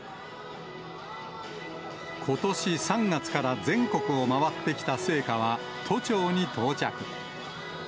ことし３月から全国を回ってきた聖火は、都庁に到着。